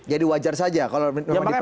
jadi wajar saja kalau dipersepsikan seperti itu